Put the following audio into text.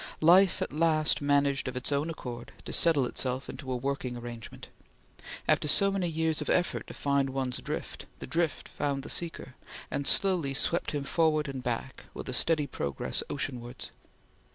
Life at last managed of its own accord to settle itself into a working arrangement. After so many years of effort to find one's drift, the drift found the seeker, and slowly swept him forward and back, with a steady progress oceanwards.